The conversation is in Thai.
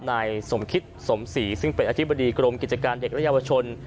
นายสมคิดสมศรีซึ่งเป็นอธิบดีกรมกิจการเด็กและเยาวชน